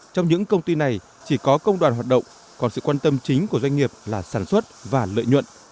trong những công ty này chỉ có công đoàn hoạt động còn sự quan tâm chính của doanh nghiệp là sản xuất và lợi nhuận